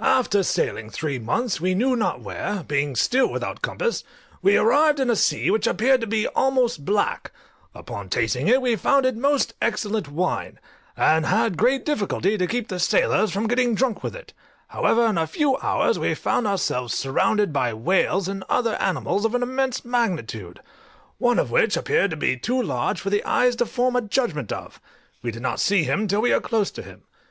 After sailing three months we knew not where, being still without compass, we arrived in a sea which appeared to be almost black: upon tasting it we found it most excellent wine, and had great difficulty to keep the sailors from getting drunk with it: however, in a few hours we found ourselves surrounded by whales and other animals of an immense magnitude, one of which appeared to be too large for the eye to form a judgment of: we did not see him till we were close to him.